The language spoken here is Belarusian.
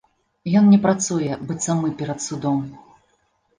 Ён не працуе, быццам мы перад судом.